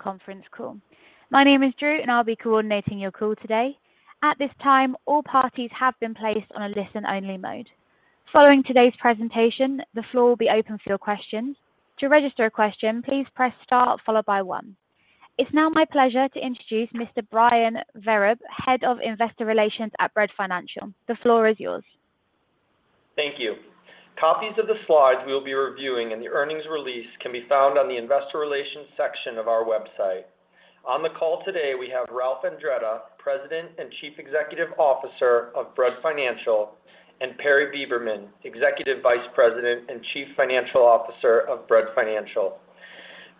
Conference call. My name is Drew, and I'll be coordinating your call today. At this time, all parties have been placed on a listen-only mode. Following today's presentation, the floor will be open for your questions. To register a question, please press star followed by one. It's now my pleasure to introduce Mr. Brian Vereb, Head of Investor Relations at Bread Financial. The floor is yours. Thank you. Copies of the slides we will be reviewing and the earnings release can be found on the Investor Relations section of our website. On the call today, we have Ralph Andretta, President and Chief Executive Officer of Bread Financial, and Perry Beberman, Executive Vice President and Chief Financial Officer of Bread Financial.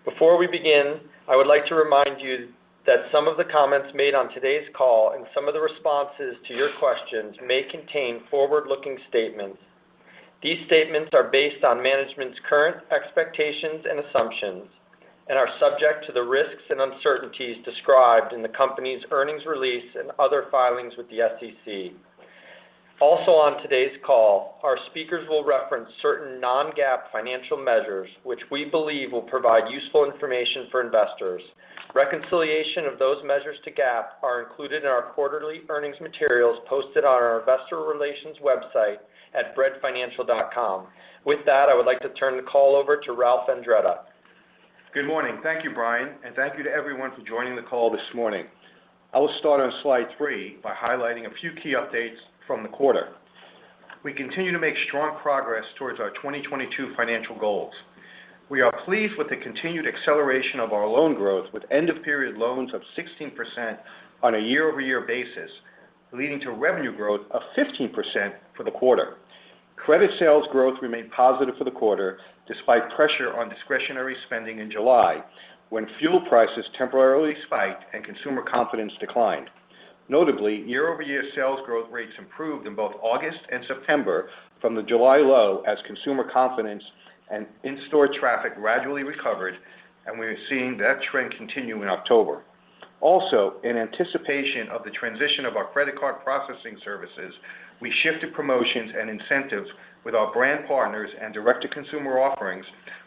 Before we begin, I would like to remind you that some of the comments made on today's call and some of the responses to your questions may contain forward-looking statements. These statements are based on management's current expectations and assumptions and are subject to the risks and uncertainties described in the company's earnings release and other filings with the SEC. Also on today's call, our speakers will reference certain non-GAAP financial measures which we believe will provide useful information for investors. Reconciliation of those measures to GAAP are included in our quarterly earnings materials posted on our investor relations website at breadfinancial.com. With that, I would like to turn the call over to Ralph Andretta. Good morning. Thank you, Brian, and thank you to everyone for joining the call this morning. I will start on slide three by highlighting a few key updates from the quarter. We continue to make strong progress towards our 2022 financial goals. We are pleased with the continued acceleration of our loan growth with end-of-period loans of 16% on a year-over-year basis, leading to revenue growth of 15% for the quarter. Credit sales growth remained positive for the quarter despite pressure on discretionary spending in July when fuel prices temporarily spiked and consumer confidence declined. Notably, year-over-year sales growth rates improved in both August and September from the July low as consumer confidence and in-store traffic gradually recovered, and we are seeing that trend continue in October. Also, in anticipation of the transition of our credit card processing services, we shifted promotions and incentives with our brand partners and direct-to-consumer offerings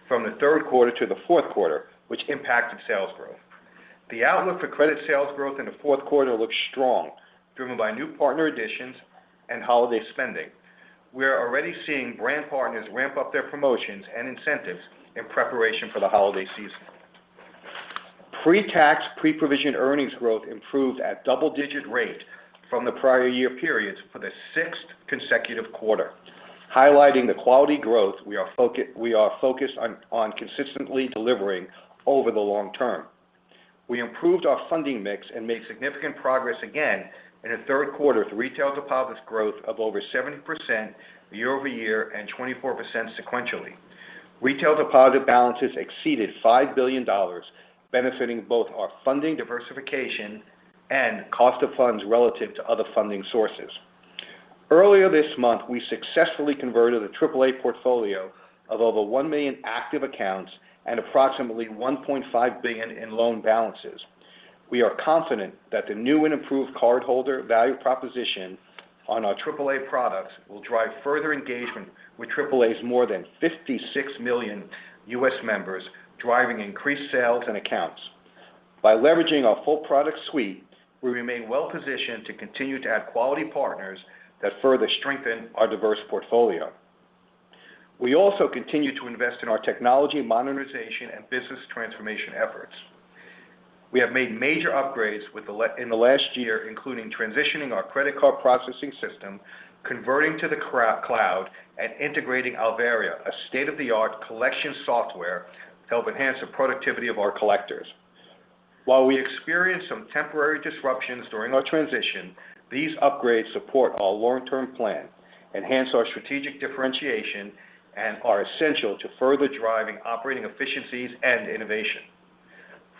from the third quarter to the fourth quarter, which impacted sales growth. The outlook for credit sales growth in the fourth quarter looks strong, driven by new partner additions and holiday spending. We are already seeing brand partners ramp up their promotions and incentives in preparation for the holiday season. Pre-tax, pre-provision earnings growth improved at double-digit rate from the prior year periods for the sixth consecutive quarter, highlighting the quality growth we are focused on consistently delivering over the long term. We improved our funding mix and made significant progress again in the third quarter with retail deposits growth of over 7% year-over-year and 24% sequentially. Retail deposit balances exceeded $5 billion, benefiting both our funding diversification and cost of funds relative to other funding sources. Earlier this month, we successfully converted a AAA Portfolio of over 1 million active accounts and approximately $1.5 billion in loan balances. We are confident that the new and improved cardholder value proposition on our AAA products will drive further engagement with AAA's more than 56 million U.S. members, driving increased sales and accounts. By leveraging our full product suite, we remain well-positioned to continue to add quality partners that further strengthen our diverse portfolio. We also continue to invest in our technology, monetization, and business transformation efforts. We have made major upgrades in the last year, including transitioning our credit card processing system, converting to the cloud, and integrating Alvaria, a state-of-the-art collection software to help enhance the productivity of our collectors. While we experienced some temporary disruptions during our transition, these upgrades support our long-term plan, enhance our strategic differentiation, and are essential to further driving operating efficiencies and innovation.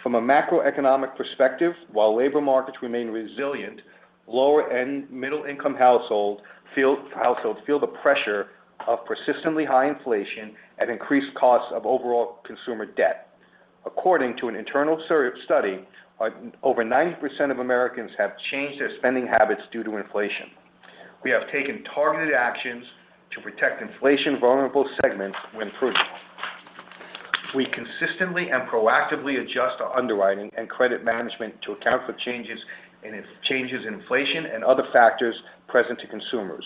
From a macroeconomic perspective, while labor markets remain resilient, lower- and middle-income households feel the pressure of persistently high inflation and increased costs of overall consumer debt. According to an internal study, over 90% of Americans have changed their spending habits due to inflation. We have taken targeted actions to protect inflation-vulnerable segments when prudent. We consistently and proactively adjust our underwriting and credit management to account for changes in inflation and other factors presented to consumers.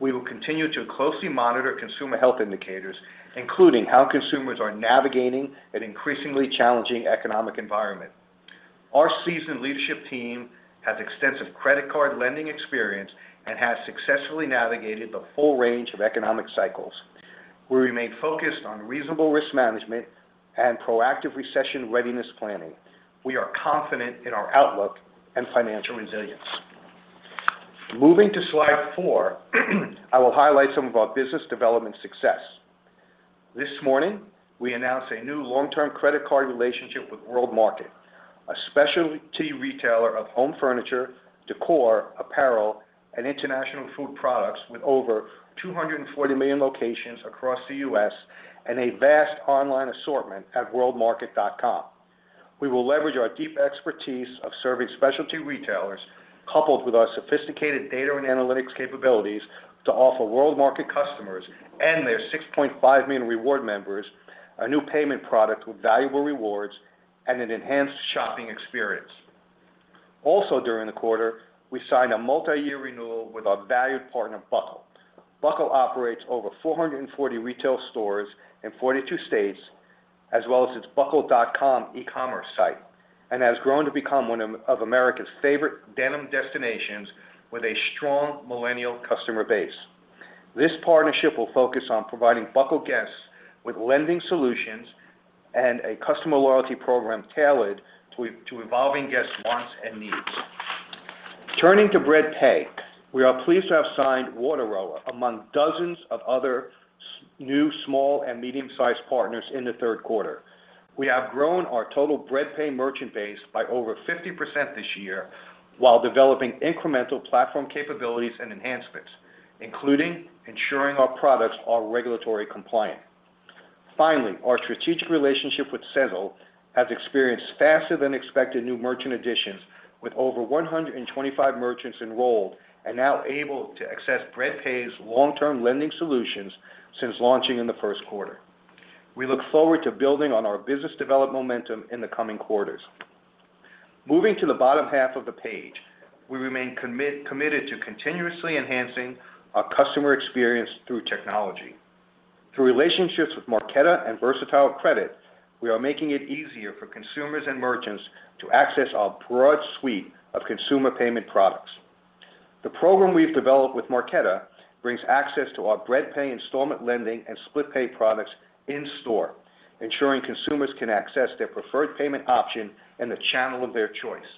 We will continue to closely monitor consumer health indicators, including how consumers are navigating an increasingly challenging economic environment. Our seasoned leadership team has extensive credit card lending experience and has successfully navigated the full range of economic cycles. We remain focused on reasonable risk management and proactive recession readiness planning. We are confident in our outlook and financial resilience. Moving to slide four, I will highlight some of our business development success. This morning, we announced a new long-term credit card relationship with World Market, a specialty retailer of home furniture, decor, apparel, and international food products with over 240 locations across the U.S. and a vast online assortment at worldmarket.com. We will leverage our deep expertise of serving specialty retailers, coupled with our sophisticated data and analytics capabilities to offer World Market customers and their 6.5 million reward members a new payment product with valuable rewards and an enhanced shopping experience. Also during the quarter, we signed a multi-year renewal with our valued partner, Buckle. Buckle operates over 440 retail stores in 42 states, as well as its buckle.com e-commerce site, and has grown to become one of America's favorite denim destinations with a strong millennial customer base. This partnership will focus on providing Buckle guests with lending solutions and a customer loyalty program tailored to evolving guests wants and needs. Turning to Bread Pay, we are pleased to have signed WaterRower among dozens of other new small and medium-sized partners in the third quarter. We have grown our total Bread Pay merchant base by over 50% this year while developing incremental platform capabilities and enhancements, including ensuring our products are regulatory compliant. Finally, our strategic relationship with Sezzle has experienced faster than expected new merchant additions with over 125 merchants enrolled and now able to access Bread Pay's long-term lending solutions since launching in the first quarter. We look forward to building on our business development momentum in the coming quarters. Moving to the bottom half of the page, we remain committed to continuously enhancing our customer experience through technology. Through relationships with Marqeta and Versatile Credit, we are making it easier for consumers and merchants to access our broad suite of consumer payment products. The program we've developed with Marqeta brings access to our Bread Pay installment lending and SplitPay products in-store, ensuring consumers can access their preferred payment option in the channel of their choice.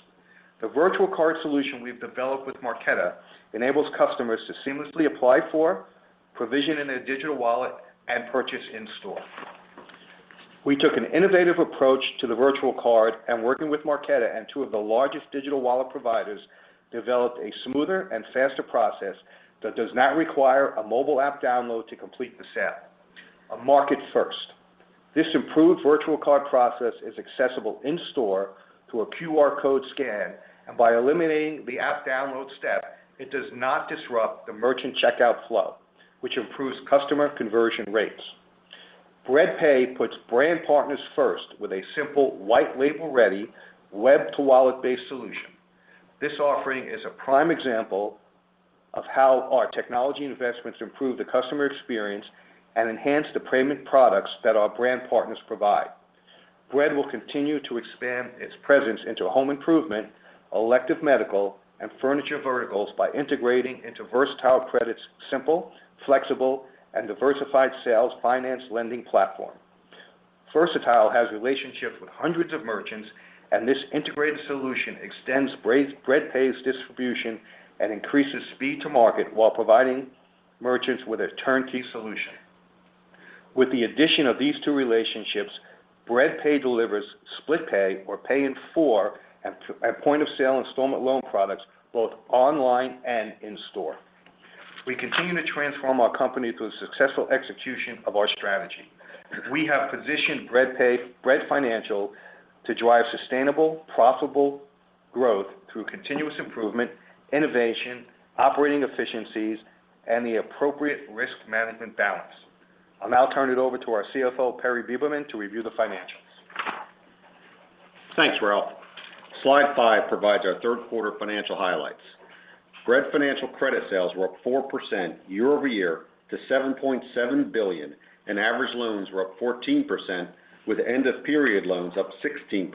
The virtual card solution we've developed with Marqeta enables customers to seamlessly apply for, provision in a digital wallet, and purchase in store. We took an innovative approach to the virtual card and working with Marqeta and two of the largest digital wallet providers developed a smoother and faster process that does not require a mobile app download to complete the sale. A market first. This improved virtual card process is accessible in-store through a QR code scan, and by eliminating the app download step, it does not disrupt the merchant checkout flow, which improves customer conversion rates. Bread Pay puts brand partners first with a simple white label-ready, web to wallet-based solution. This offering is a prime example of how our technology investments improve the customer experience and enhance the payment products that our brand partners provide. Bread will continue to expand its presence into home improvement, elective medical, and furniture verticals by integrating into Versatile Credit's simple, flexible, and diversified sales finance lending platform. Versatile has relationships with hundreds of merchants, and this integrated solution extends Bread Pay's distribution and increases speed to market while providing merchants with a turnkey solution. With the addition of these two relationships, Bread Pay delivers SplitPay or Pay in 4 at point-of-sale installment loan products both online and in-store. We continue to transform our company through the successful execution of our strategy. We have positioned Bread Financial to drive sustainable, profitable growth through continuous improvement, innovation, operating efficiencies, and the appropriate risk management balance. I'll now turn it over to our CFO, Perry Beberman, to review the financials. Thanks, Ralph. Slide five provides our third quarter financial highlights. Bread Financial credit sales were up 4% year over year to $7.7 billion, and average loans were up 14%, with end-of-period loans up 16%,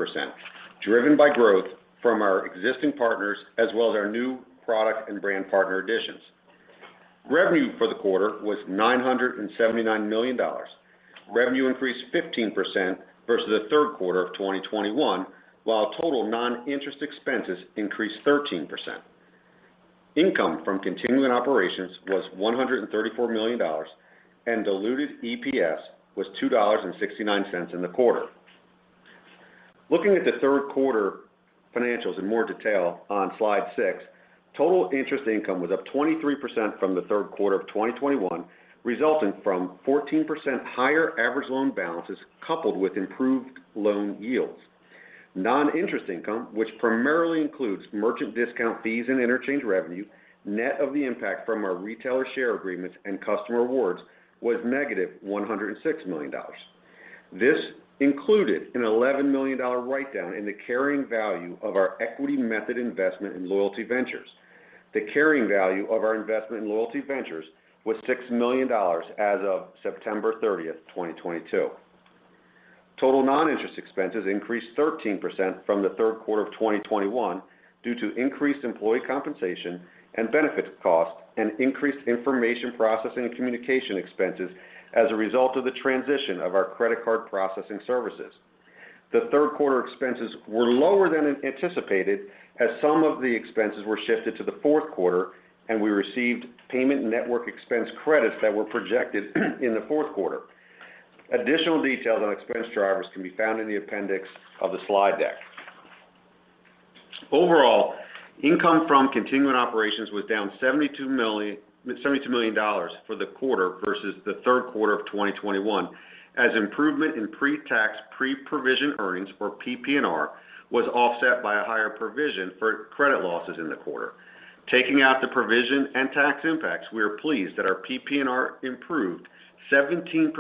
driven by growth from our existing partners as well as our new product and brand partner additions. Revenue for the quarter was $979 million. Revenue increased 15% versus the third quarter of 2021, while total non-interest expenses increased 13%. Income from continuing operations was $134 million, and diluted EPS was $2.69 in the quarter. Looking at the third quarter financials in more detail on slide six, total interest income was up 23% from the third quarter of 2021, resulting from 14% higher average loan balances coupled with improved loan yields. Non-interest income, which primarily includes merchant discount fees and interchange revenue, net of the impact from our retailer share agreements and customer rewards, was -$106 million. This included a $11 million write-down in the carrying value of our equity method investment in Loyalty Ventures. The carrying value of our investment in Loyalty Ventures was $6 million as of September 30, 2022. Total non-interest expenses increased 13% from the third quarter of 2021 due to increased employee compensation and benefits costs and increased information processing and communication expenses as a result of the transition of our credit card processing services. The third quarter expenses were lower than anticipated as some of the expenses were shifted to the fourth quarter, and we received payment network expense credits that were projected in the fourth quarter. Additional details on expense drivers can be found in the appendix of the slide deck. Overall, income from continuing operations was down $72 million for the quarter versus the third quarter of 2021, as improvement in pre-tax, pre-provision earnings, or PPNR, was offset by a higher provision for credit losses in the quarter. Taking out the provision and tax impacts, we are pleased that our PPNR improved 17%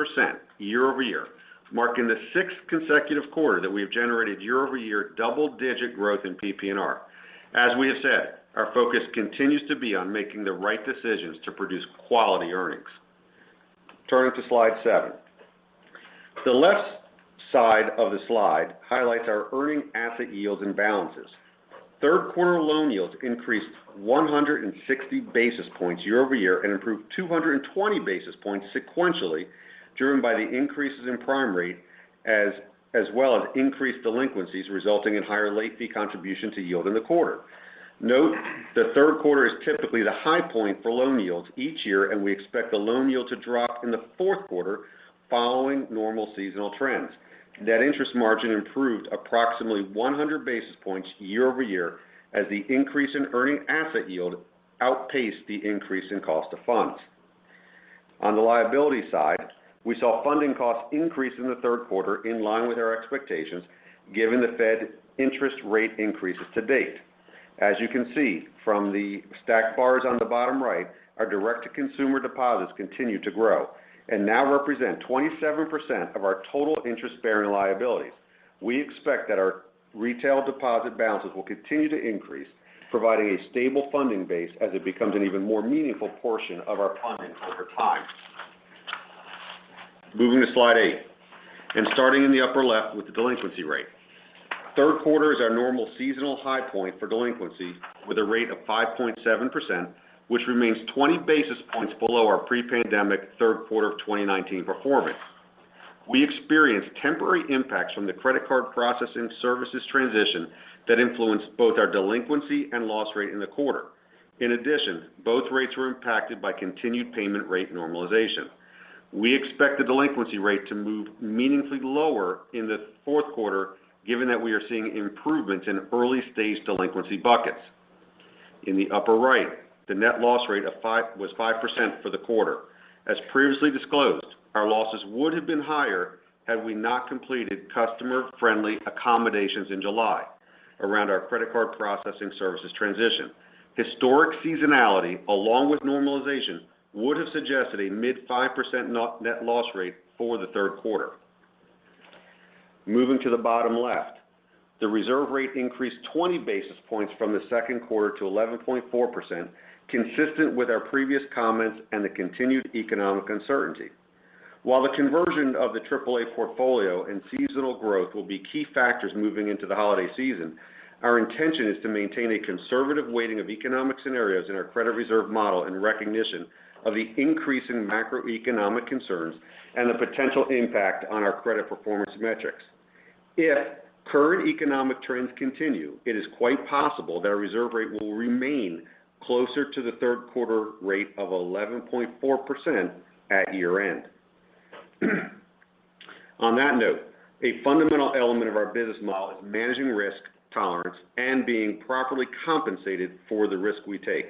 year-over-year, marking the sixth consecutive quarter that we have generated year-over-year double-digit growth in PPNR. As we have said, our focus continues to be on making the right decisions to produce quality earnings. Turning to slide seven. The left side of the slide highlights our earning asset yields and balances. Third quarter loan yields increased 160 basis points year-over-year and improved 220 basis points sequentially, driven by the increases in prime rate as well as increased delinquencies resulting in higher late fee contribution to yield in the quarter. Note the third quarter is typically the high point for loan yields each year, and we expect the loan yield to drop in the fourth quarter following normal seasonal trends. Net interest margin improved approximately 100 basis points year-over-year as the increase in earning asset yield outpaced the increase in cost of funds. On the liability side, we saw funding costs increase in the third quarter in line with our expectations, given the Fed interest rate increases to date. As you can see from the stacked bars on the bottom right, our direct-to-consumer deposits continue to grow and now represent 27% of our total interest-bearing liabilities. We expect that our retail deposit balances will continue to increase, providing a stable funding base as it becomes an even more meaningful portion of our funding over time. Moving to slide eight and starting in the upper left with the delinquency rate. Third quarter is our normal seasonal high point for delinquency with a rate of 5.7%, which remains 20 basis points below our pre-pandemic third quarter of 2019 performance. We experienced temporary impacts from the credit card processing services transition that influenced both our delinquency and loss rate in the quarter. In addition, both rates were impacted by continued payment rate normalization. We expect the delinquency rate to move meaningfully lower in the fourth quarter, given that we are seeing improvements in early-stage delinquency buckets. In the upper right, the net loss rate was 5% for the quarter. As previously disclosed, our losses would have been higher had we not completed customer-friendly accommodations in July around our credit card processing services transition. Historic seasonality along with normalization would have suggested a mid-5% net loss rate for the third quarter. Moving to the bottom left, the reserve rate increased 20 basis points from the second quarter to 11.4%, consistent with our previous comments and the continued economic uncertainty. While the conversion of the AAA portfolio and seasonal growth will be key factors moving into the holiday season, our intention is to maintain a conservative weighting of economic scenarios in our credit reserve model in recognition of the increase in macroeconomic concerns and the potential impact on our credit performance metrics. If current economic trends continue, it is quite possible that our reserve rate will remain closer to the third quarter rate of 11.4% at year-end. On that note, a fundamental element of our business model is managing risk tolerance and being properly compensated for the risk we take.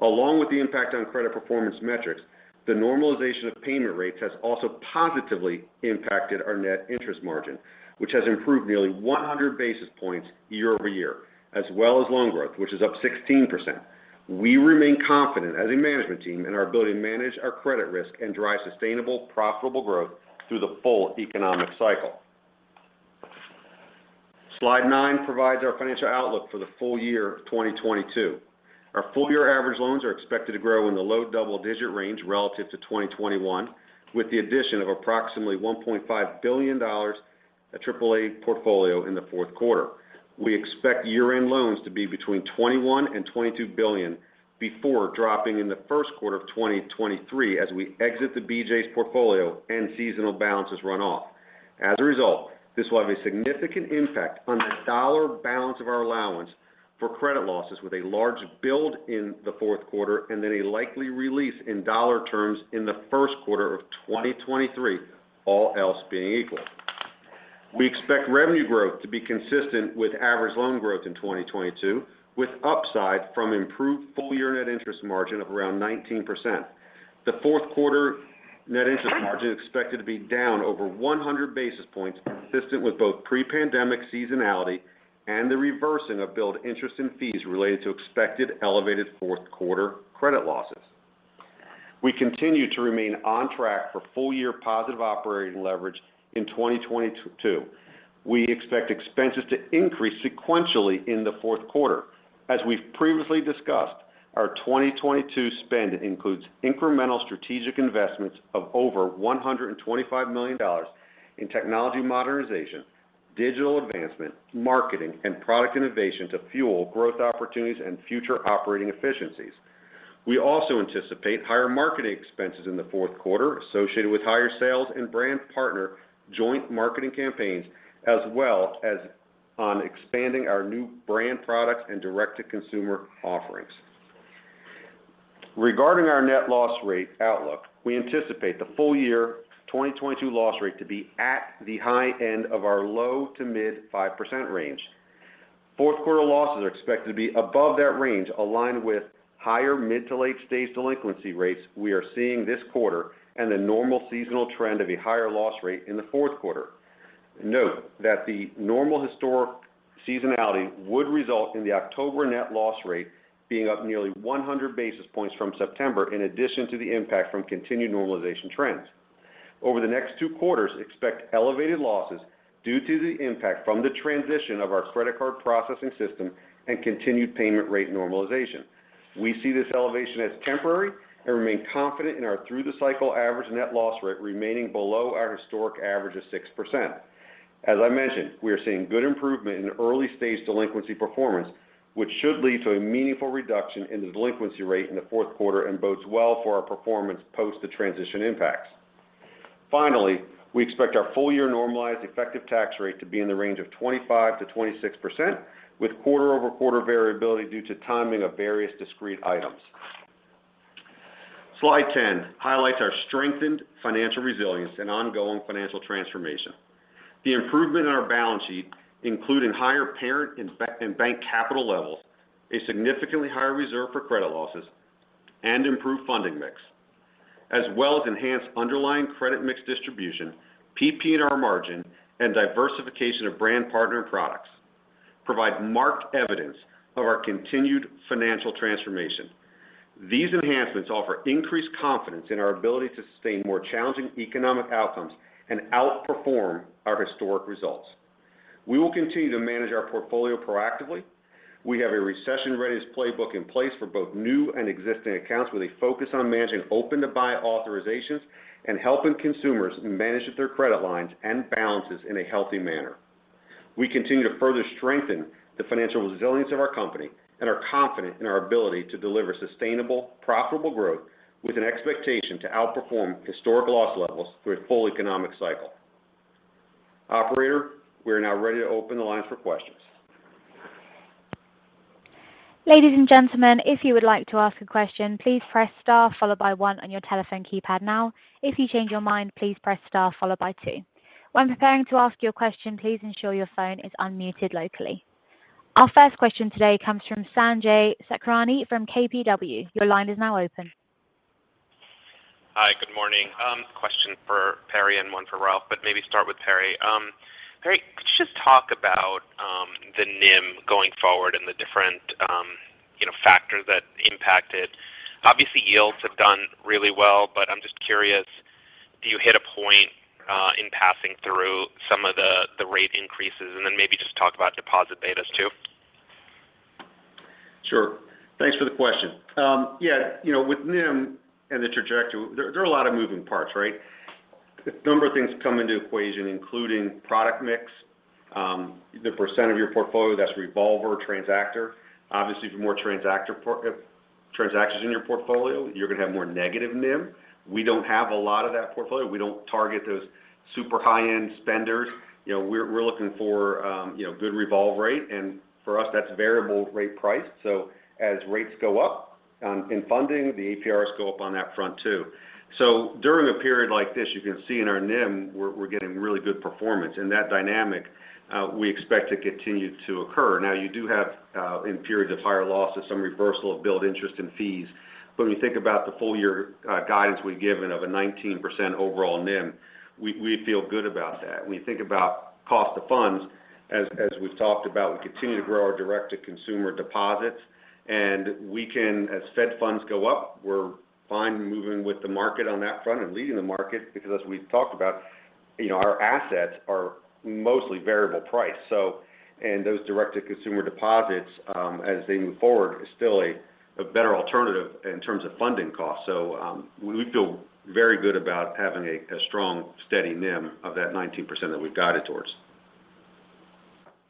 Along with the impact on credit performance metrics, the normalization of payment rates has also positively impacted our net interest margin, which has improved nearly 100 basis points year-over-year, as well as loan growth, which is up 16%. We remain confident as a management team in our ability to manage our credit risk and drive sustainable, profitable growth through the full economic cycle. Slide nine provides our financial outlook for the full year of 2022. Our full-year average loans are expected to grow in the low double-digit range relative to 2021, with the addition of approximately $1.5 billion of AAA portfolio in the fourth quarter. We expect year-end loans to be between $21 billion and $22 billion before dropping in the first quarter of 2023 as we exit the BJ's portfolio and seasonal balances run off. As a result, this will have a significant impact on the dollar balance of our allowance for credit losses with a large build in the fourth quarter and then a likely release in dollar terms in the first quarter of 2023, all else being equal. We expect revenue growth to be consistent with average loan growth in 2022, with upside from improved full-year net interest margin of around 19%. The fourth quarter net interest margin expected to be down over 100 basis points, consistent with both pre-pandemic seasonality and the reversing of billed interest and fees related to expected elevated fourth quarter credit losses. We continue to remain on track for full-year positive operating leverage in 2022. We expect expenses to increase sequentially in the fourth quarter. As we've previously discussed, our 2022 spend includes incremental strategic investments of over $125 million in technology modernization, digital advancement, marketing, and product innovation to fuel growth opportunities and future operating efficiencies. We also anticipate higher marketing expenses in the fourth quarter associated with higher sales and brand partner joint marketing campaigns, as well as on expanding our new brand products and direct-to-consumer offerings. Regarding our net loss rate outlook, we anticipate the full-year 2022 loss rate to be at the high end of our low- to mid-5% range. Fourth quarter losses are expected to be above that range, aligned with higher mid- to late-stage delinquency rates we are seeing this quarter and the normal seasonal trend of a higher loss rate in the fourth quarter. Note that the normal historic seasonality would result in the October net loss rate being up nearly 100 basis points from September in addition to the impact from continued normalization trends. Over the next two quarters, expect elevated losses due to the impact from the transition of our credit card processing system and continued payment rate normalization. We see this elevation as temporary and remain confident in our through the cycle average net loss rate remaining below our historic average of 6%. As I mentioned, we are seeing good improvement in early-stage delinquency performance, which should lead to a meaningful reduction in the delinquency rate in the fourth quarter and bodes well for our performance post the transition impacts. Finally, we expect our full-year normalized effective tax rate to be in the range of 25%-26%, with quarter-over-quarter variability due to timing of various discrete items. Slide 10 highlights our strengthened financial resilience and ongoing financial transformation. The improvement in our balance sheet, including higher parent and bank capital levels, a significantly higher reserve for credit losses and improved funding mix, as well as enhanced underlying credit mix distribution, PPNR margin, and diversification of brand partner products provide marked evidence of our continued financial transformation. These enhancements offer increased confidence in our ability to sustain more challenging economic outcomes and outperform our historic results. We will continue to manage our portfolio proactively. We have a recession-readiness playbook in place for both new and existing accounts with a focus on managing open-to-buy authorizations and helping consumers manage their credit lines and balances in a healthy manner. We continue to further strengthen the financial resilience of our company and are confident in our ability to deliver sustainable, profitable growth with an expectation to outperform historical loss levels through a full economic cycle. Operator, we are now ready to open the lines for questions. Ladies and gentlemen, if you would like to ask a question, please press star followed by one on your telephone keypad now. If you change your mind, please press star followed by two. When preparing to ask your question, please ensure your phone is unmuted locally. Our first question today comes from Sanjay Sakhrani from KBW. Your line is now open. Hi. Good morning. Question for Perry and one for Ralph, but maybe start with Perry. Perry, could you just talk about the NIM going forward and the different, you know, factors that impact it? Obviously, yields have done really well, but I'm just curious, do you hit a point in passing through some of the rate increases? Then maybe just talk about deposit betas too. Sure. Thanks for the question. Yeah, you know, with NIM and the trajectory, there are a lot of moving parts, right? A number of things come into equation, including product mix, the percent of your portfolio that's revolver, transactor. Obviously, if you're more transactor transactions in your portfolio, you're gonna have more negative NIM. We don't have a lot of that portfolio. We don't target those super high-end spenders. You know, we're looking for, you know, good revolve rate, and for us, that's variable rate price. As rates go up, in funding, the APRs go up on that front too. During a period like this, you can see in our NIM we're getting really good performance. In that dynamic, we expect to continue to occur. Now you do have in periods of higher losses, some reversal of billed interest and fees. When you think about the full-year guidance we've given of a 19% overall NIM, we feel good about that. When you think about cost of funds, as we've talked about, we continue to grow our direct-to-consumer deposits, and we can as Fed funds go up, we're fine moving with the market on that front and leading the market because as we've talked about, you know, our assets are mostly variable rate. Those direct-to-consumer deposits, as they move forward, is still a better alternative in terms of funding costs. We feel very good about having a strong, steady NIM of that 19% that we've guided towards.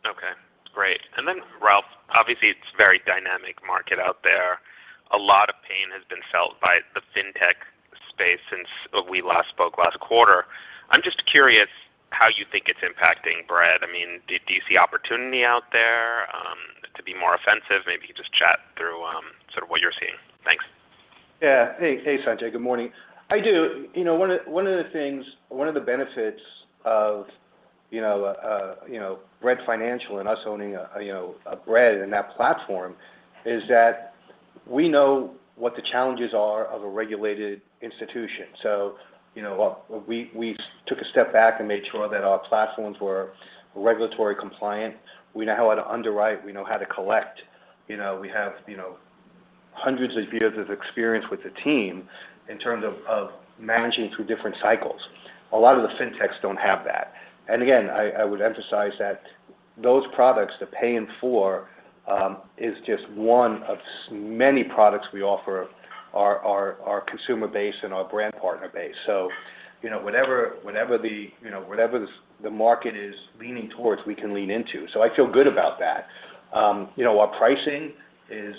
Okay, great. Ralph, obviously, it's a very dynamic market out there. A lot of pain has been felt by the fintech space since we last spoke last quarter. I'm just curious how you think it's impacting Bread. I mean, do you see opportunity out there to be more offensive? Maybe just chat through sort of what you're seeing. Thanks. Yeah. Hey, Sanjay, good morning. I do. You know, one of the benefits of Bread Financial and us owning a Bread and that platform is that we know what the challenges are of a regulated institution. You know, we took a step back and made sure that our platforms were regulatory compliant. We know how to underwrite, we know how to collect. You know, we have hundreds of years of experience with the team in terms of managing through different cycles. A lot of the Fintechs don't have that. Again, I would emphasize that those products, the Pay in 4, is just one of many products we offer our consumer base and our brand partner base. You know, whatever the market is leaning towards, we can lean into. I feel good about that. You know, our pricing is,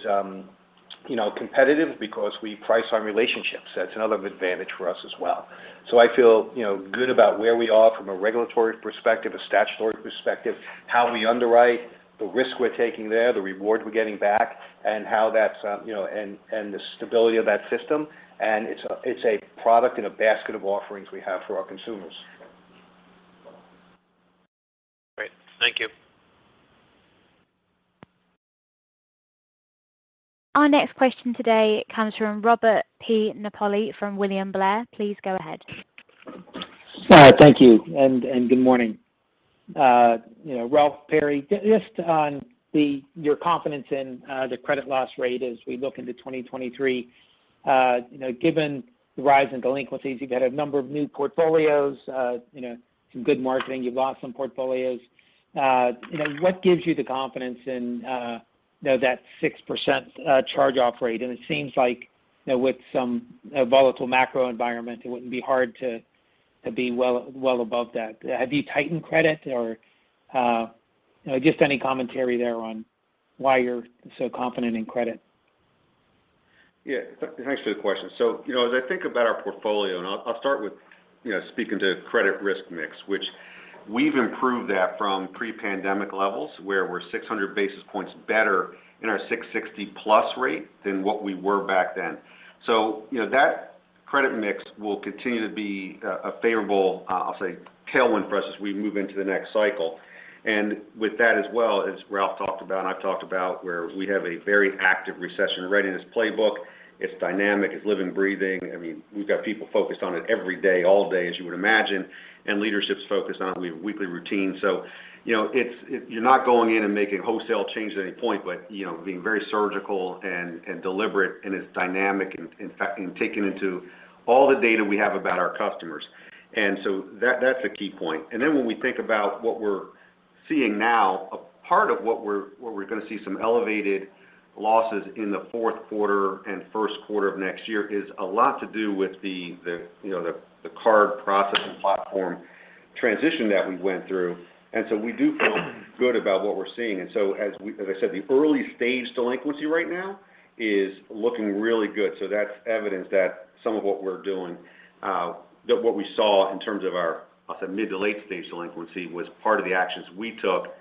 you know, competitive because we price our relationships. That's another advantage for us as well. I feel, you know, good about where we are from a regulatory perspective, a statutory perspective, how we underwrite, the risk we're taking there, the reward we're getting back, and how that's, you know, and the stability of that system. It's a product and a basket of offerings we have for our consumers. Great. Thank you. Our next question today comes from Robert P. Napoli from William Blair. Please go ahead. Thank you, and good morning. You know, Ralph, Perry, just on your confidence in the credit loss rate as we look into 2023, you know, given the rise in delinquencies, you've had a number of new portfolios, you know, some good marketing, you've lost some portfolios. You know, what gives you the confidence in, you know, that 6% charge-off rate? It seems like, you know, with some volatile macro environment, it wouldn't be hard to be well above that. Have you tightened credit or, you know, just any commentary there on why you're so confident in credit? Thanks for the question. You know, as I think about our portfolio, and I'll start with, you know, speaking to credit risk mix, which we've improved that from pre-pandemic levels, where we're 600 basis points better in our 660+ rate than what we were back then. You know, that credit mix will continue to be a favorable, I'll say, tailwind for us as we move into the next cycle. With that as well, as Ralph talked about and I've talked about, where we have a very active recession readiness playbook. It's dynamic, it's living, breathing. I mean, we've got people focused on it every day, all day, as you would imagine, and leadership's focused on it. We have weekly routines. You're not going in and making wholesale changes at any point, but, you know, being very surgical and deliberate, and it's dynamic and taking into all the data we have about our customers. That's a key point. When we think about what we're seeing now, a part of where we're going to see some elevated losses in the fourth quarter and first quarter of next year is a lot to do with the card processing platform transition that we went through. We do feel good about what we're seeing. As I said, the early-stage delinquency right now is looking really good. That's evidence that some of what we're doing, that what we saw in terms of our, I'll say mid to late-stage delinquency was part of the actions we took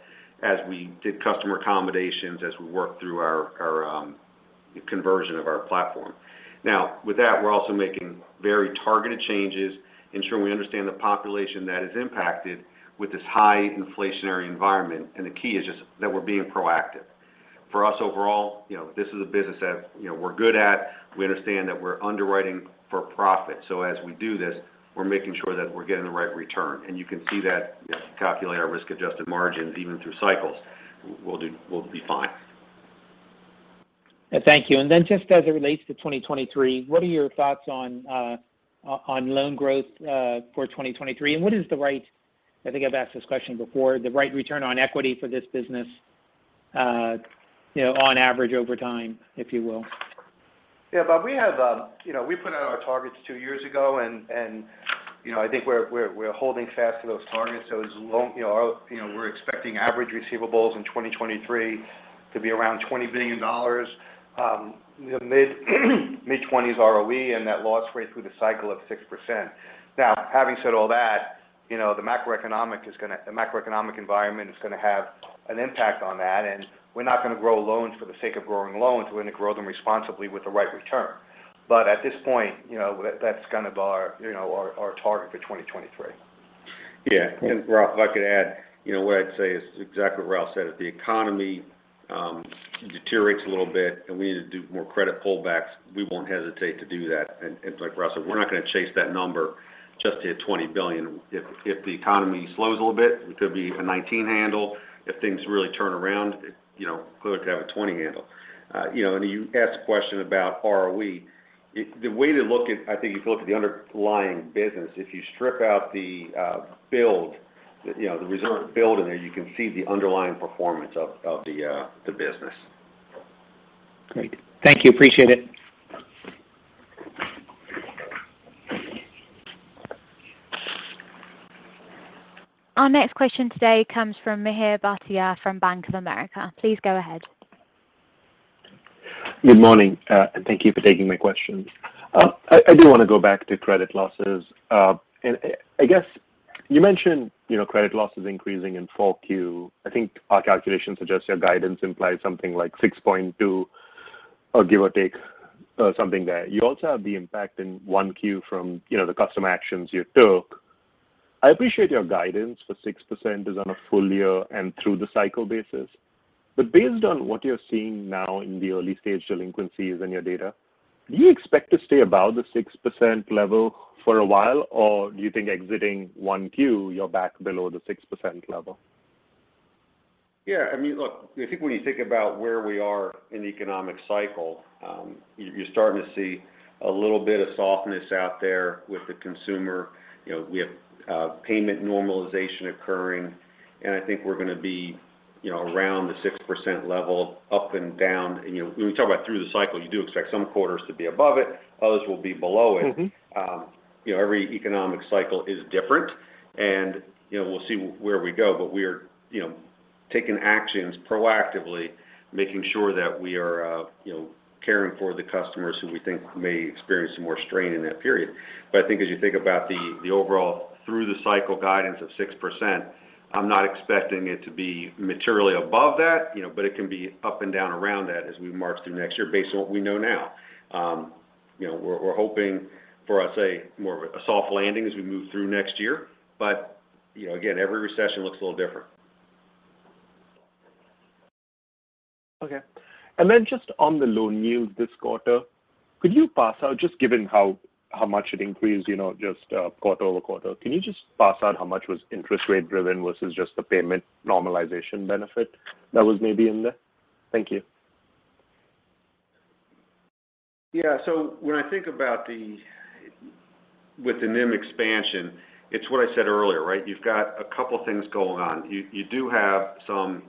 as we did customer accommodations, as we worked through our conversion of our platform. Now, with that, we're also making very targeted changes, ensuring we understand the population that is impacted with this high inflationary environment, and the key is just that we're being proactive. For us overall, you know, this is a business that, you know, we're good at. We understand that we're underwriting for profit. As we do this, we're making sure that we're getting the right return. You can see that if you calculate our risk-adjusted margins even through cycles, we'll be fine. Thank you. Just as it relates to 2023, what are your thoughts on on loan growth for 2023? What is the right—I think I've asked this question before, the right return on equity for this business, you know, on average over time, if you will? Yeah. Bob, we have, you know, we put out our targets two years ago and, you know, I think we're holding fast to those targets. You know, we're expecting average receivables in 2023 to be around $20 billion, mid-20s ROE and net loss rate through the cycle of 6%. Now, having said all that, you know, the macroeconomic environment is gonna have an impact on that, and we're not gonna grow loans for the sake of growing loans. We're going to grow them responsibly with the right return. But at this point, you know, that's kind of our target for 2023. Yeah. Ralph, if I could add. You know, what I'd say is exactly what Ralph said. If the economy deteriorates a little bit and we need to do more credit pullbacks, we won't hesitate to do that. Like Ralph said, we're not going to chase that number just to hit $20 billion. If the economy slows a little bit, it could be a 19 handle. If things really turn around, you know, could have a 20 handle. You know, you asked a question about ROE. The way to look at it—I think you can look at the underlying business. If you strip out the build, you know, the reserve build in there, you can see the underlying performance of the business. Great. Thank you. Appreciate it. Our next question today comes from Mihir Bhatia from Bank of America. Please go ahead. Good morning, and thank you for taking my questions. I do want to go back to credit losses. I guess you mentioned, you know, credit losses increasing in 4Q. I think our calculations suggest your guidance implies something like 6.2%, or give or take, something there. You also have the impact in 1Q from, you know, the customer actions you took. I appreciate your guidance for 6% is on a full year and through the cycle basis. But based on what you're seeing now in the early-stage delinquencies in your data, do you expect to stay above the 6% level for a while, or do you think exiting 1Q, you're back below the 6% level? Yeah. I mean, look, I think when you think about where we are in the economic cycle, you're starting to see a little bit of softness out there with the consumer. You know, we have payment normalization occurring, and I think we're going to be, you know, around the 6% level up and down. You know, when we talk about through the cycle, you do expect some quarters to be above it, others will be below it. Mm-hmm. You know, every economic cycle is different and, you know, we'll see where we go. We're, you know, taking actions proactively, making sure that we are, you know, caring for the customers who we think may experience some more strain in that period. I think as you think about the overall through the cycle guidance of 6%, I'm not expecting it to be materially above that, you know, but it can be up and down around that as we march through next year based on what we know now. You know, we're hoping for, I'd say, more of a soft landing as we move through next year. You know, again, every recession looks a little different. Okay. Then just on the loan yield this quarter, could you parse out just given how much it increased, you know, just quarter-over-quarter. Can you just parse out how much was interest rate-driven versus just the payment normalization benefit that was maybe in there? Thank you. Yeah. When I think about the NIM expansion, it's what I said earlier, right? You've got a couple of things going on. You do have some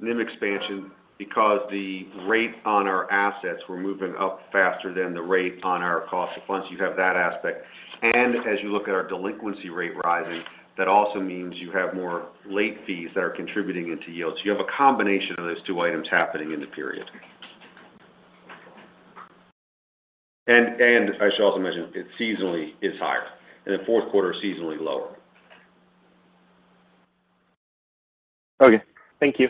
NIM expansion because the rate on our assets were moving up faster than the rate on our cost of funds. You have that aspect. As you look at our delinquency rate rising, that also means you have more late fees that are contributing into yields. You have a combination of those two items happening in the period. I should also mention it seasonally is higher, and the fourth quarter is seasonally lower. Okay. Thank you.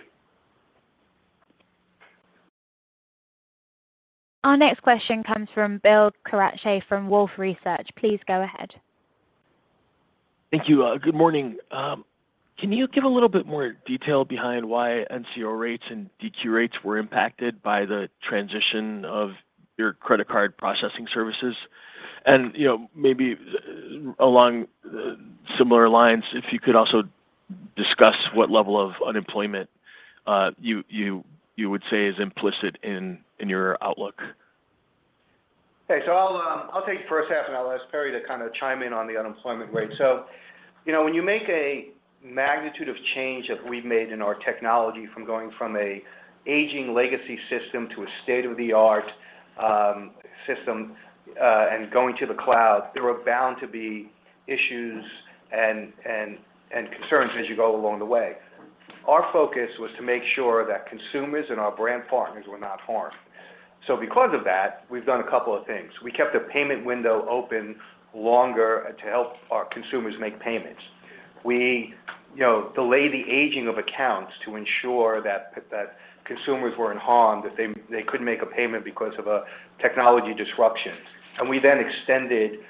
Our next question comes from Bill Carcache from Wolfe Research. Please go ahead. Thank you. Good morning. Can you give a little bit more detail behind why NCO rates and DQ rates were impacted by the transition of your credit card processing services? You know, maybe along similar lines, if you could also discuss what level of unemployment you would say is implicit in your outlook. Okay. I'll take the first half, and I'll ask Perry to kind of chime in on the unemployment rate. You know, when you make a magnitude of change that we've made in our technology from going from an aging legacy system to a state-of-the-art system and going to the cloud, there are bound to be issues and concerns as you go along the way. Our focus was to make sure that consumers and our brand partners were not harmed. Because of that, we've done a couple of things. We kept the payment window open longer to help our consumers make payments. We delayed the aging of accounts to ensure that consumers weren't harmed, that they couldn't make a payment because of a technology disruption. We then extended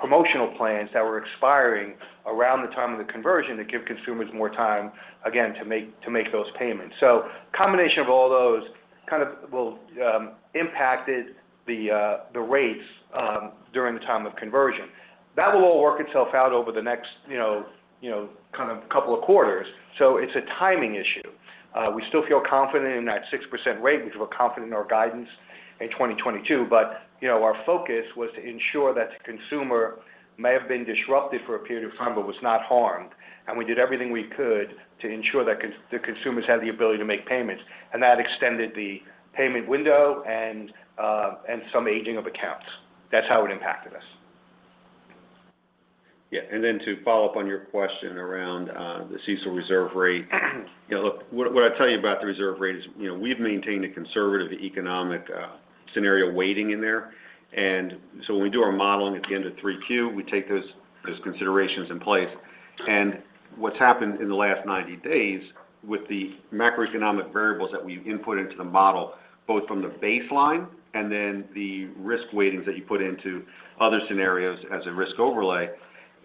promotional plans that were expiring around the time of the conversion to give consumers more time, again, to make those payments. Combination of all those kind of will impacted the rates during the time of conversion. That will all work itself out over the next, you know, kind of couple of quarters. It's a timing issue. We still feel confident in that 6% rate. We feel confident in our guidance in 2022. You know, our focus was to ensure that the consumer may have been disrupted for a period of time but was not harmed. We did everything we could to ensure that the consumers had the ability to make payments. That extended the payment window and some aging of accounts. That's how it impacted us. Yeah. To follow up on your question around the CECL reserve rate. Look, what I tell you about the reserve rate is, you know, we've maintained a conservative economic scenario weighting in there. When we do our modeling at the end of 3Q, we take those considerations in place. What's happened in the last 90 days with the macroeconomic variables that we've input into the model, both from the baseline and then the risk weightings that you put into other scenarios as a risk overlay,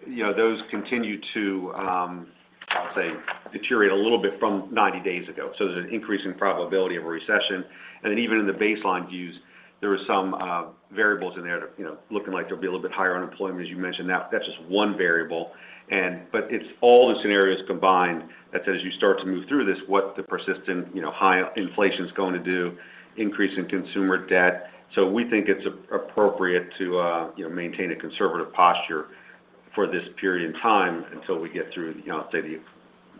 you know, those continue to, I'll say, deteriorate a little bit from 90 days ago. There's an increase in probability of a recession. Then even in the baseline views, there are some variables in there that, you know, looking like there'll be a little bit higher unemployment, as you mentioned. That's just one variable. But it's all the scenarios combined that says you start to move through this, what the persistent, you know, high inflation is going to do, increase in consumer debt. We think it's appropriate to, you know, maintain a conservative posture for this period in time until we get through, you know, say, the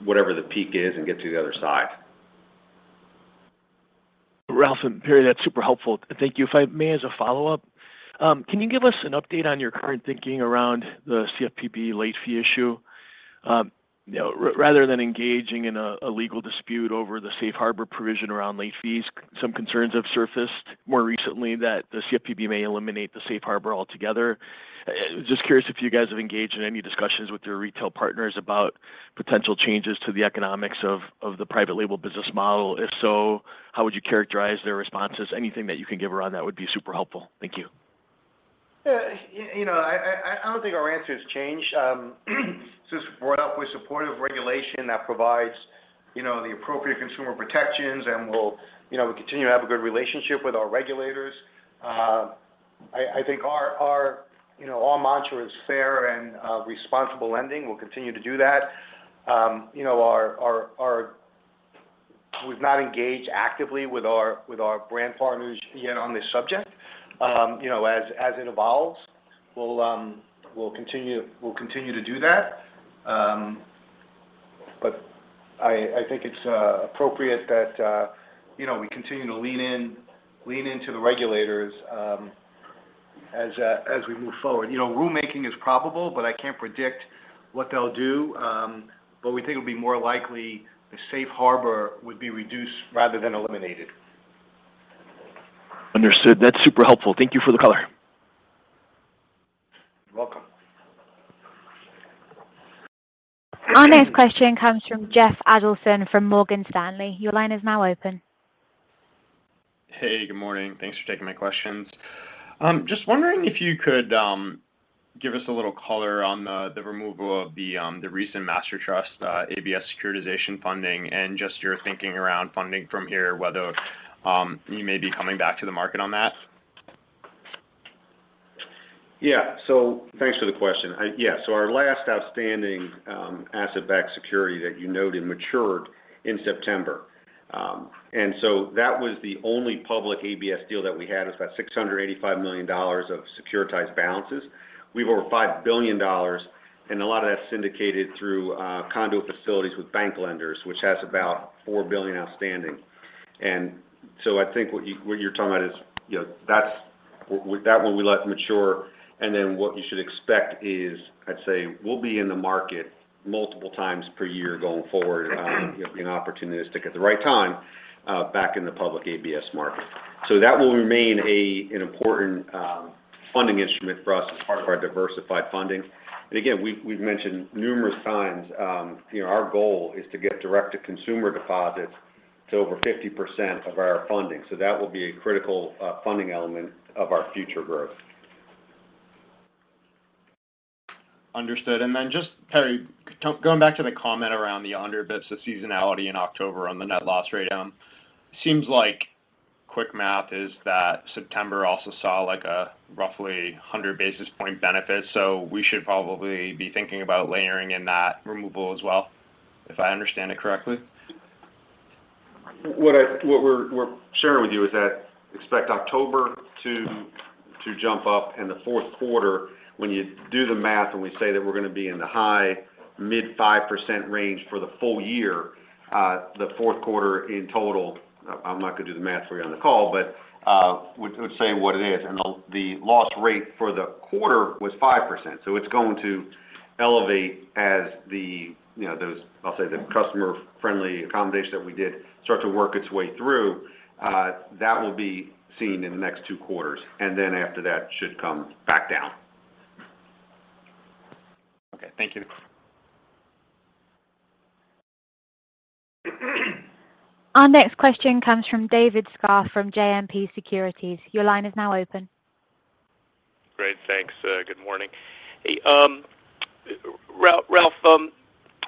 whatever the peak is and get to the other side. Ralph and Perry, that's super helpful. Thank you. If I may, as a follow-up, can you give us an update on your current thinking around the CFPB late fee issue? You know, rather than engaging in a legal dispute over the safe harbor provision around late fees, some concerns have surfaced more recently that the CFPB may eliminate the safe harbor altogether. Just curious if you guys have engaged in any discussions with your retail partners about potential changes to the economics of the private label business model. If so, how would you characterize their responses? Anything that you can give around that would be super helpful. Thank you. Yeah. You know, I don't think our answer has changed. Since we're up, we're supportive of regulation that provides, you know, the appropriate consumer protections, and we, you know, continue to have a good relationship with our regulators. I think our mantra is fair and responsible lending. We'll continue to do that. You know, we've not engaged actively with our brand partners yet on this subject. You know, as it evolves, we'll continue to do that. But I think it's appropriate that you know, we continue to lean into the regulators as we move forward. You know, rulemaking is probable, but I can't predict what they'll do. We think it'll be more likely the safe harbor would be reduced rather than eliminated. Understood. That's super helpful. Thank you for the color. You're welcome. Our next question comes from Jeff Adelson from Morgan Stanley. Your line is now open. Hey, good morning. Thanks for taking my questions. Just wondering if you could give us a little color on the removal of the recent master trust ABS securitization funding, and just your thinking around funding from here, whether you may be coming back to the market on that? Yeah. Thanks for the question. Our last outstanding asset-backed security that you noted matured in September. That was the only public ABS deal that we had. It was about $685 million of securitized balances. We have over $5 billion, and a lot of that's syndicated through conduit facilities with bank lenders, which has about $4 billion outstanding. I think what you're talking about is, you know, that one we let mature, and then what you should expect is, I'd say, we'll be in the market multiple times per year going forward, you know, being opportunistic at the right time, back in the public ABS market. That will remain an important funding instrument for us as part of our diversified funding. Again, we've mentioned numerous times, you know, our goal is to get direct-to-consumer deposits to over 50% of our funding. That will be a critical funding element of our future growth. Understood. Then just, Perry, going back to the comment around the underbits, the seasonality in October on the net loss rate down, seems like quick math is that September also saw, like, a roughly 100-basis-point benefit. We should probably be thinking about layering in that removal as well, if I understand it correctly. What we're sharing with you is that expect October to jump up in the fourth quarter. When you do the math and we say that we're gonna be in the high-mid 5% range for the full year, the fourth quarter in total. I'm not gonna do the math for you on the call, but we'll say what it is. The loss rate for the quarter was 5%. It's going to elevate as the customer-friendly accommodation that we did start to work its way through. That will be seen in the next two quarters. Then after that, should come back down. Okay, thank you. Our next question comes from David Scharf from JMP Securities. Your line is now open. Great. Thanks. Good morning. Hey, Ralph,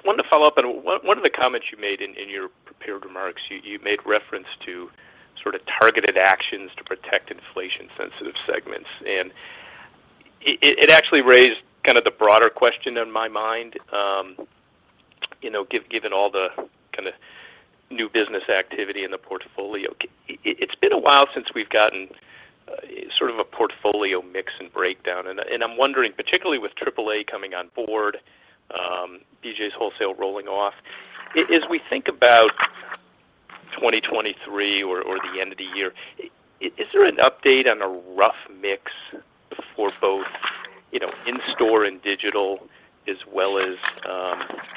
wanted to follow up on one of the comments you made in your prepared remarks. You made reference to sort of targeted actions to protect inflation-sensitive segments. It actually raised kind of the broader question in my mind, you know, given all the kind of new business activity in the portfolio. It's been a while since we've gotten sort of a portfolio mix and breakdown. I'm wondering, particularly with AAA coming on board, BJ's Wholesale Club rolling off, as we think about 2023 or the end of the year, is there an update on a rough mix for both, you know, in-store and digital as well as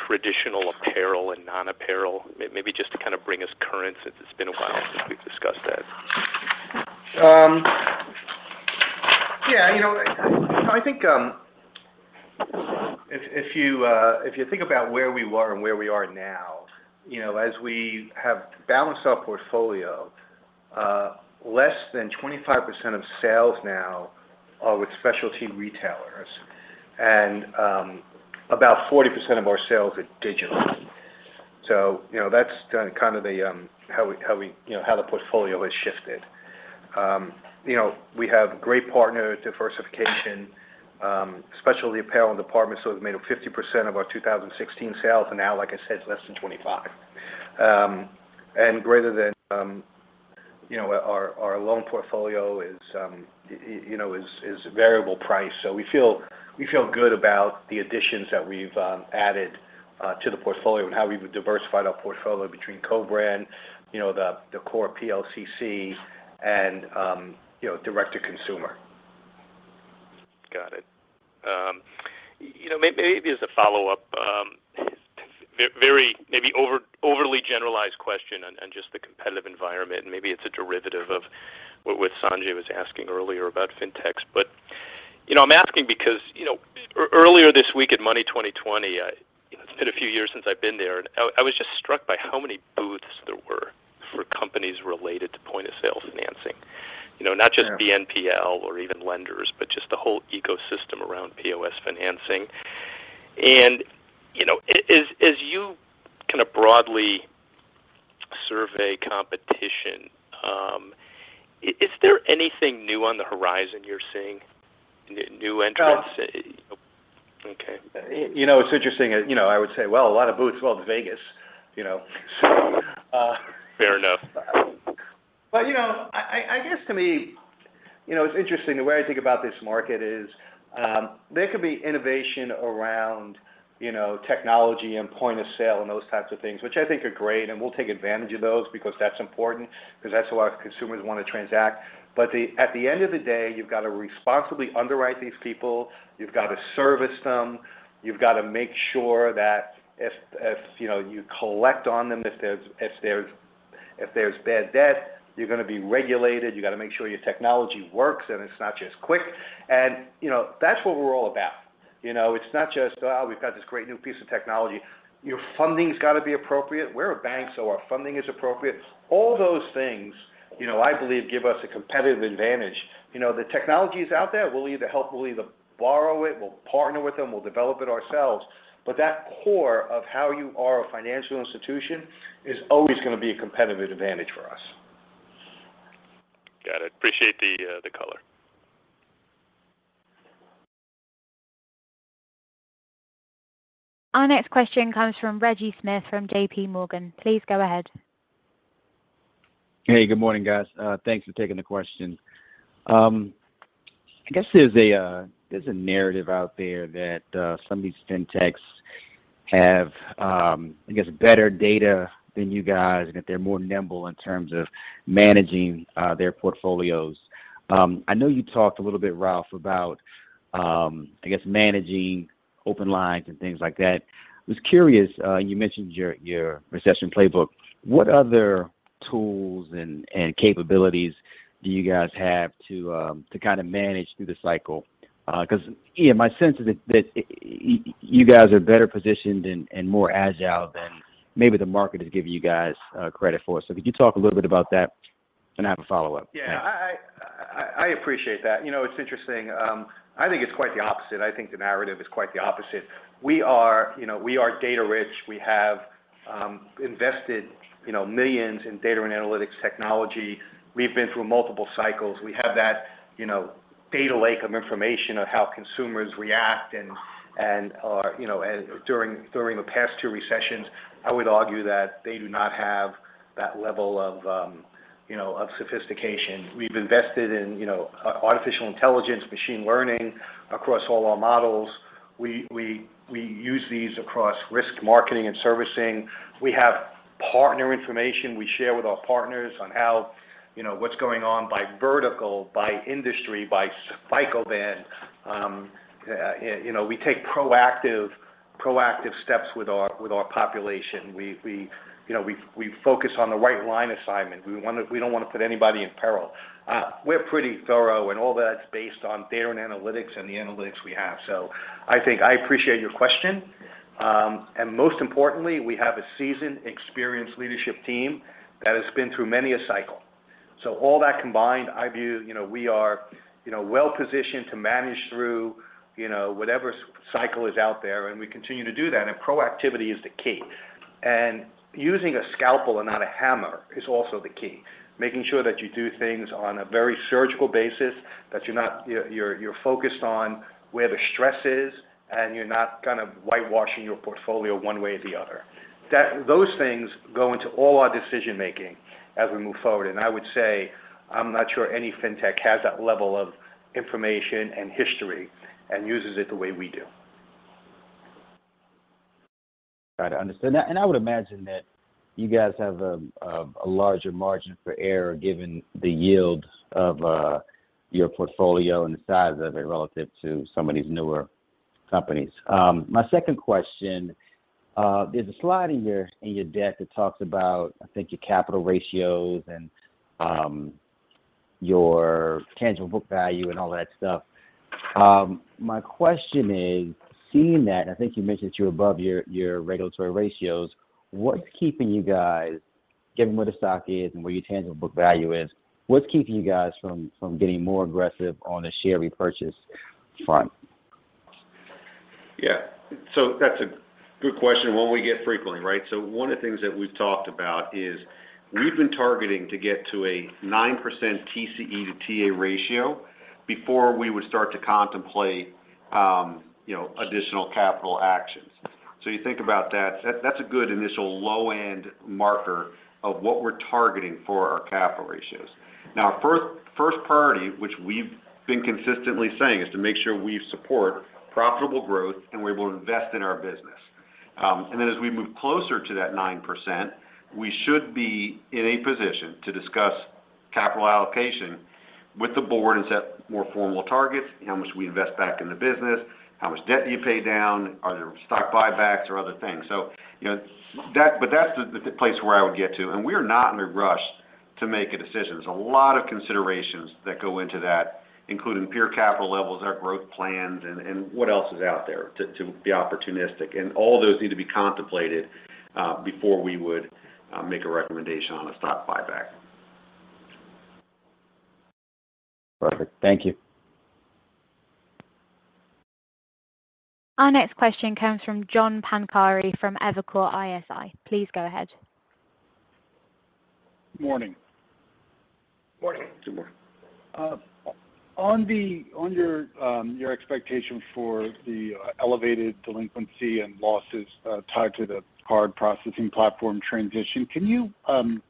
traditional apparel and non-apparel? Maybe just to kind of bring us current since it's been a while since we've discussed that. Yeah, you know, I think if you think about where we were and where we are now, you know, as we have balanced our portfolio, less than 25% of sales now are with specialty retailers, and about 40% of our sales are digital. You know, that's done kind of the you know how the portfolio has shifted. You know, we have great partner diversification, especially apparel and department stores made up 50% of our 2016 sales, and now, like I said, it's less than 25%. Greater than, you know, our loan portfolio is variable price. We feel good about the additions that we've added to the portfolio and how we've diversified our portfolio between co-brand, you know, the core PLCC and, you know, direct-to-consumer. Got it. You know, maybe as a follow-up, very overly generalized question on just the competitive environment, and maybe it's a derivative of what Sanjay was asking earlier about Fintechs. I'm asking because, you know, earlier this week at Money20/20, you know, it's been a few years since I've been there. I was just struck by how many booths there were for companies related to point-of-sale financing. You know, not just BNPL or even lenders, but just the whole ecosystem around POS financing. As you kind of broadly survey competition, is there anything new on the horizon you're seeing, new entrants? Uh. Okay. You know, it's interesting. You know, I would say, well, a lot of booths. Well, it's Vegas, you know? So. Fair enough. You know, I guess to me, you know, it's interesting. The way I think about this market is, there could be innovation around, you know, technology and point of sale and those types of things, which I think are great, and we'll take advantage of those because that's important, because that's the way consumers want to transact. At the end of the day, you've got to responsibly underwrite these people. You've got to service them. You've got to make sure that if you know, you collect on them, if there's bad debt, you're gonna be regulated. You got to make sure your technology works, and it's not just quick. You know, that's what we're all about. You know, it's not just, oh, we've got this great new piece of technology. Your funding's got to be appropriate. We're a bank, so our funding is appropriate. All those things, you know, I believe give us a competitive advantage. You know, the technology is out there. We'll either help, we'll either borrow it, we'll partner with them, we'll develop it ourselves. That core of how you are a financial institution is always going to be a competitive advantage for us. Got it. Appreciate the color. Our next question comes from Reggie Smith from JPMorgan. Please go ahead. Hey, good morning, guys. Thanks for taking the question. I guess there's a narrative out there that some of these Fintechs have, I guess, better data than you guys and that they're more nimble in terms of managing their portfolios. I know you talked a little bit, Ralph, about, I guess, managing open lines and things like that. I was curious, you mentioned your recession playbook. What other tools and capabilities do you guys have to kind of manage through the cycle? Because, Ian, my sense is that you guys are better positioned and more agile than maybe the market is giving you guys credit for. If you could talk a little bit about that, then I have a follow-up. Yeah. I appreciate that. You know, it's interesting. I think it's quite the opposite. I think the narrative is quite the opposite. We are data rich. We have invested, you know, millions in data and analytics technology. We've been through multiple cycles. We have that data lake of information of how consumers react and, you know, during the past two recessions. I would argue that they do not have that level of sophistication. We've invested in, you know, artificial intelligence, machine learning across all our models. We use these across risk, marketing, and servicing. We have partner information we share with our partners on how, you know, what's going on by vertical, by industry, by cycle band. You know, we take proactive steps with our population. We focus on the right line assignment. We don't want to put anybody in peril. We're pretty thorough, and all that's based on data and analytics and the analytics we have. I think I appreciate your question. Most importantly, we have a seasoned, experienced leadership team that has been through many a cycle. All that combined, I view we are well-positioned to manage through whatever s-cycle is out there, and we continue to do that. Proactivity is the key. Using a scalpel and not a hammer is also the key. Making sure that you do things on a very surgical basis, that you're not. You're focused on where the stress is, and you're not kind of whitewashing your portfolio one way or the other. Those things go into all our decision-making as we move forward. I would say I'm not sure any fintech has that level of information and history and uses it the way we do. Right. I understand that. I would imagine that you guys have a larger margin for error given the yield of your portfolio and the size of it relative to some of these newer companies. My second question, there's a slide in your deck that talks about, I think, your capital ratios and your tangible book value and all that stuff. My question is, seeing that, I think you mentioned you're above your regulatory ratios, what's keeping you guys, given where the stock is and where your tangible book value is, what's keeping you guys from getting more aggressive on the share repurchase front? Yeah. That's a good question, and one we get frequently, right? One of the things that we've talked about is we've been targeting to get to a 9% TCE to TA ratio before we would start to contemplate, you know, additional capital actions. You think about that's a good initial low-end marker of what we're targeting for our capital ratios. Now, our first priority, which we've been consistently saying, is to make sure we support profitable growth and we're able to invest in our business. And then as we move closer to that 9%, we should be in a position to discuss capital allocation with the board and set more formal targets. How much do we invest back in the business? How much debt do you pay down? Are there stock buybacks or other things? You know, that's the place where I would get to. We're not in a rush to make a decision. There's a lot of considerations that go into that, including peer capital levels, our growth plans, and what else is out there to be opportunistic. All those need to be contemplated before we would make a recommendation on a stock buyback. Perfect. Thank you. Our next question comes from John Pancari from Evercore ISI. Please go ahead. Morning. Morning. Good morning. On your expectation for the elevated delinquency and losses tied to the card processing platform transition, can you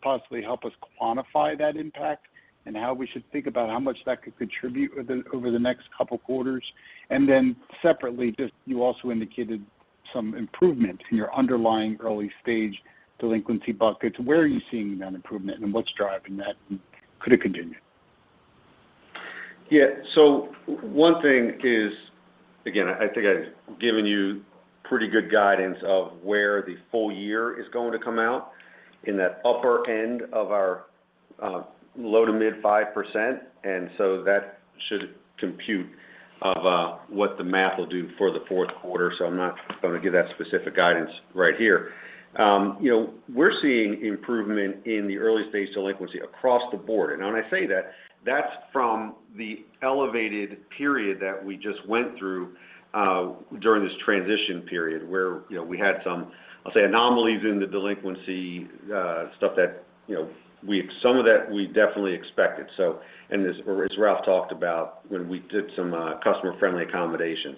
possibly help us quantify that impact and how we should think about how much that could contribute over the next couple quarters? Then separately, just you also indicated some improvement in your underlying early-stage delinquency buckets. Where are you seeing that improvement, and what's driving that? Could it continue? Yeah. One thing is, again, I think I've given you pretty good guidance of where the full year is going to come out in that upper end of our Low- to mid-5%. That should compute of what the math will do for the fourth quarter, so I'm not gonna give that specific guidance right here. You know, we're seeing improvement in the early-stage delinquency across the board. When I say that's from the elevated period that we just went through during this transition period where you know, we had some, I'll say, anomalies in the delinquency stuff that you know, some of that we definitely expected. As Ralph talked about when we did some customer-friendly accommodations.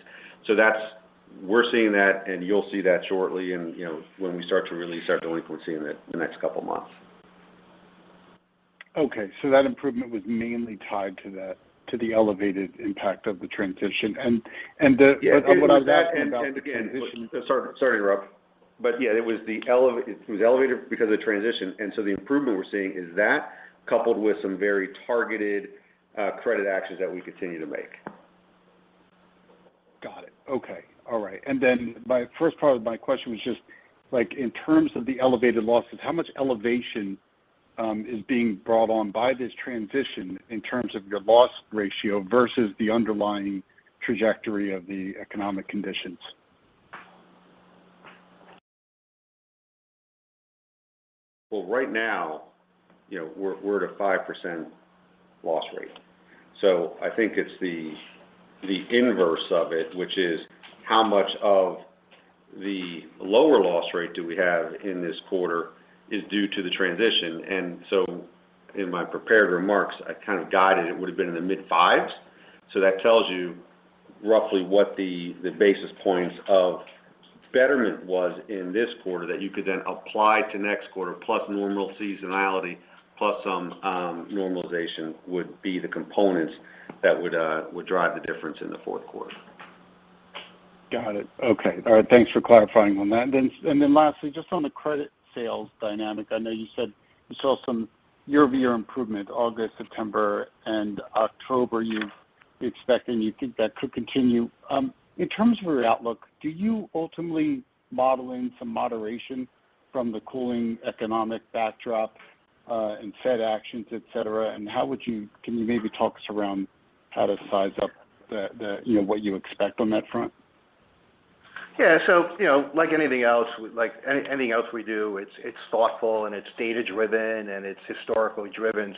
We're seeing that, and you'll see that shortly and you know, when we start to release our delinquency in the next couple of months. Okay. That improvement was mainly tied to the elevated impact of the transition. Yeah. It was that. What I was asking about the transition. Sorry to interrupt. Yeah, it was elevated because of the transition, and so the improvement we're seeing is that coupled with some very targeted credit actions that we continue to make. Got it. Okay. All right. My first part of my question was just, like, in terms of the elevated losses, how much elevation is being brought on by this transition in terms of your loss ratio versus the underlying trajectory of the economic conditions? Well, right now, you know, we're at a 5% loss rate. I think it's the inverse of it, which is how much of the lower loss rate do we have in this quarter is due to the transition. In my prepared remarks, I kind of guided it would have been in the mid-5s. That tells you roughly what the basis points of betterment was in this quarter that you could then apply to next quarter, plus normal seasonality, plus some normalization would be the components that would drive the difference in the fourth quarter. Got it. Okay. All right. Thanks for clarifying on that. Lastly, just on the credit sales dynamic. I know you said you saw some year-over-year improvement August, September, and October. You're expecting you think that could continue. In terms of your outlook, do you ultimately model in some moderation from the cooling economic backdrop, and Fed actions, et cetera? Can you maybe talk us through how to size up the, you know, what you expect on that front? Yeah. You know, like anything else we do, it's thoughtful and it's data-driven and it's historically driven.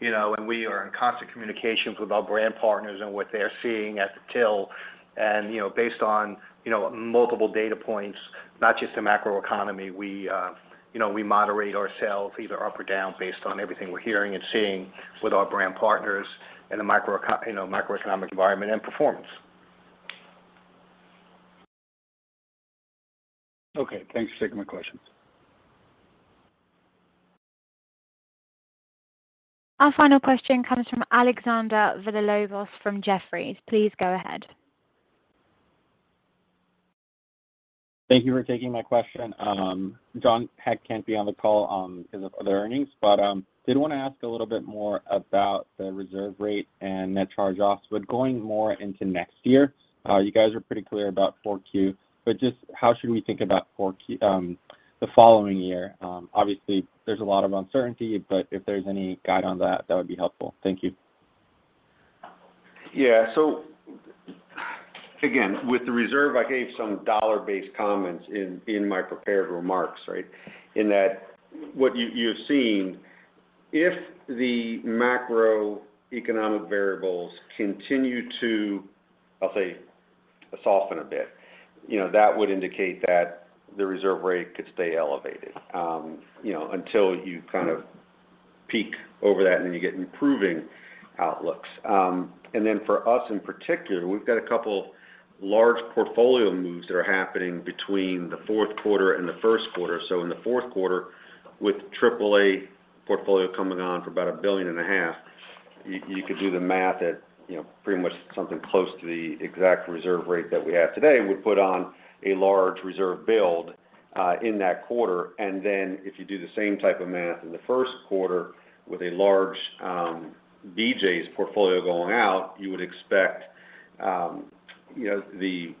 You know, we are in constant communications with our brand partners and what they're seeing at the till. You know, based on multiple data points, not just the macro economy, you know, we moderate ourselves either up or down based on everything we're hearing and seeing with our brand partners in the you know, macroeconomic environment and performance. Okay. Thanks. That's it for my questions. Our final question comes from Alexander Villalobos from Jefferies. Please go ahead. Thank you for taking my question. John Hecht can't be on the call, because of other earnings. Did wanna ask a little bit more about the reserve rate and net charge-offs. Going more into next year, you guys are pretty clear about 4Q. Just how should we think about 4Q, the following year? Obviously, there's a lot of uncertainty, but if there's any guide on that would be helpful. Thank you. Again, with the reserve, I gave some dollar-based comments in my prepared remarks, right? In that what you're seeing if the macroeconomic variables continue to, I'll say, soften a bit, you know, that would indicate that the reserve rate could stay elevated, you know, until you kind of peak over that and then you get improving outlooks. For us, in particular, we've got a couple large portfolio moves that are happening between the fourth quarter and the first quarter. In the fourth quarter, with AAA portfolio coming on for about $1.5 billion, you could do the math at, you know, pretty much something close to the exact reserve rate that we have today would put on a large reserve build, in that quarter. If you do the same type of math in the first quarter with a large BJ's portfolio going out, you would expect you know the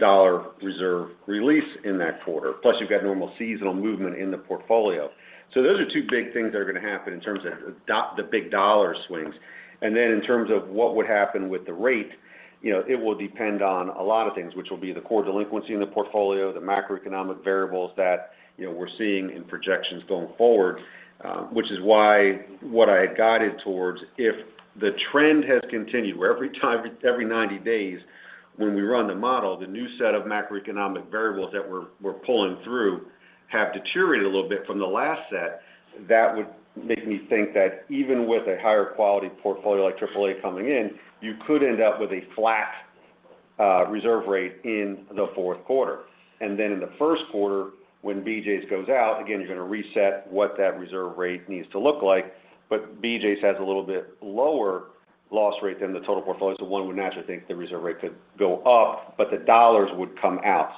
dollar reserve release in that quarter. Plus you've got normal seasonal movement in the portfolio. Those are two big things that are gonna happen in terms of the big dollar swings. In terms of what would happen with the rate, you know, it will depend on a lot of things, which will be the core delinquency in the portfolio, the macroeconomic variables that you know we're seeing in projections going forward. which is why what I had guided towards, if the trend has continued, where every time every 90 days when we run the model, the new set of macroeconomic variables that we're pulling through have deteriorated a little bit from the last set, that would make me think that even with a higher quality portfolio like AAA coming in, you could end up with a flat reserve rate in the fourth quarter. Then in the first quarter, when BJ's goes out, again, you're gonna reset what that reserve rate needs to look like. BJ's has a little bit lower loss rate than the total portfolio, so one would naturally think the reserve rate could go up, but the dollars would come out.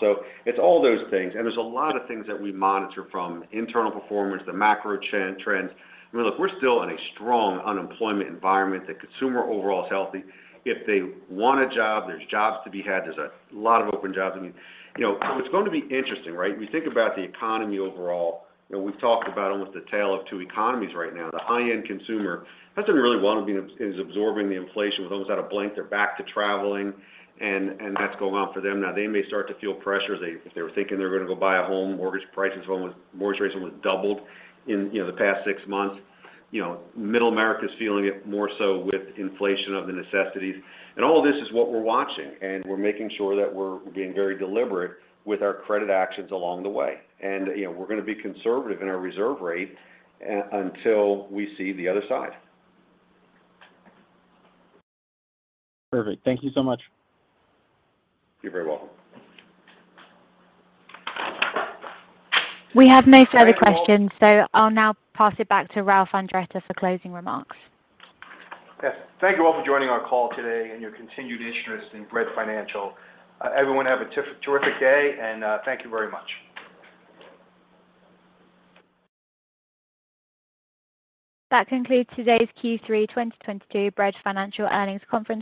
It's all those things. There's a lot of things that we monitor from internal performance, the macro trends. I mean, look, we're still in a strong unemployment environment. The consumer overall is healthy. If they want a job, there's jobs to be had. There's a lot of open jobs. I mean, you know, it's going to be interesting, right? We think about the economy overall. You know, we've talked about almost the tale of two economies right now. The high-end consumer has done really well and is absorbing the inflation with almost at a blink. They're back to traveling and that's going well for them. Now, they may start to feel pressure. If they were thinking they're going to go buy a home, mortgage rates almost doubled in, you know, the past six months. You know, middle America is feeling it more so with inflation of the necessities. All of this is what we're watching, and we're making sure that we're being very deliberate with our credit actions along the way. You know, we're going to be conservative in our reserve rate until we see the other side. Perfect. Thank you so much. You're very welcome. We have no further questions, so I'll now pass it back to Ralph Andretta for closing remarks. Yes. Thank you all for joining our call today and your continued interest in Bread Financial. Everyone have a terrific day, and thank you very much. That concludes today's Q3 2022 Bread Financial Earnings Conference.